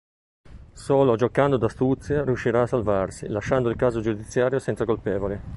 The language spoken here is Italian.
Solo giocando d'astuzia, riuscirà a salvarsi, lasciando il caso giudiziario senza colpevoli.